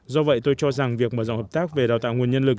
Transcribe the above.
do vậy tôi cho rằng việc mở rộng hợp tác về đào tạo nguồn nhân lực